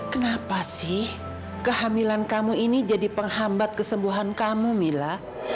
kenapa sih kehamilan kamu ini jadi penghambat kesembuhan kamu mila